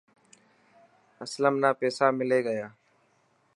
اسلم نا پيسا ملي گيا.